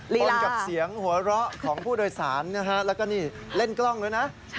ชนกับเสียงหัวเราะของผู้โดยสารนะฮะแล้วก็นี่เล่นกล้องด้วยนะ